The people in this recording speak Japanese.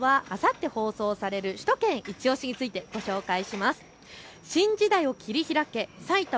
さてきょうはあさって放送される首都圏いちオシ！についてご紹介します。